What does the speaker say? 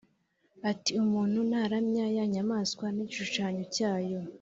ati “Umuntu naramya ya nyamaswa n’igishushanyo cyayo,